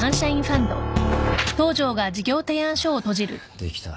できた。